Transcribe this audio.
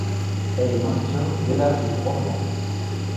Elle est mannequin dès l'âge de trois mois.